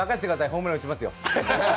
ホームラン打ちますよ。